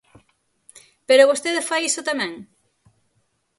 Pero vostede fai iso tamén?